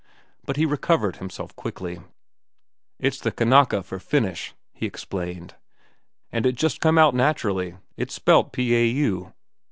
But he recovered himself quickly. "It's the Kanaka for 'finish,'" he explained, "and it just come out naturally. It's spelt p a u."